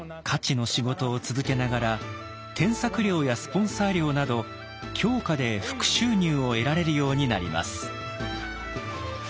徒の仕事を続けながら添削料やスポンサー料など狂歌で副収入を得られるようになります。